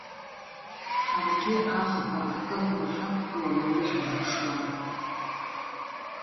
Ҳаргьы аӷба акыӷәра ҳақәгыланы уи ҳазԥшуан.